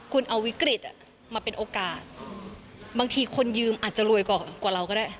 คุณเอาวิกฤตมาเป็นโอกาสบางทีคนยืมอาจจะรวยกว่าเราก็ได้